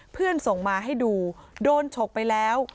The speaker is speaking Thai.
เพื่อนส่งมาให้ดูโดนฉกไปแล้ว